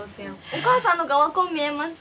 お母さんの方が若う見えます。